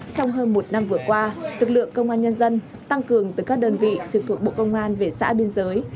trong hơn một năm vừa qua lực lượng công an nhân dân tăng cường từ các đơn vị trực thuộc bộ công an về xã biên giới